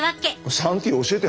３Ｔ教えて！